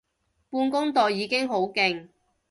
半工讀已經好勁